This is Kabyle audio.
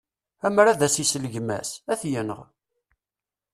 Amer ad as-isel gma-s, ad t-yenɣ.